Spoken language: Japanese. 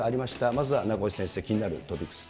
まずは名越先生、気になるトピックス。